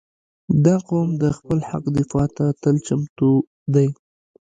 • دا قوم د خپل حق دفاع ته تل چمتو دی.